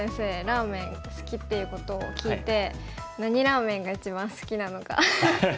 ラーメン好きっていうことを聞いて何ラーメンが一番好きなのか。